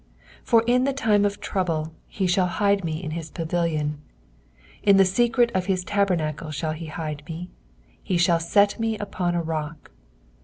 5 Forinthetimeof trouble he shall hide me in his pavilion : in the secret of his tabernacle shall he hide me ; he shall set me up upon a rock.